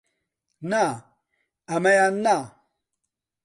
نا، ئەمەیان نا!